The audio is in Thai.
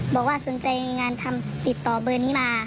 บอกว่าสนใจในงานทำติดต่อเบอร์นี้มา